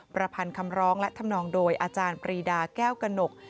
ประพันธ์คำร้องและทำนองโดยอาจารย์ปรีดาแก้วกระหนก